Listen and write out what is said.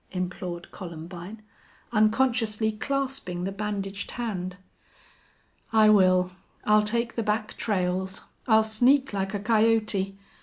implored Columbine, unconsciously clasping the bandaged hand. "I will. I'll take the back trails. I'll sneak like a coyote.